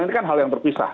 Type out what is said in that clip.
ini kan hal yang terpisah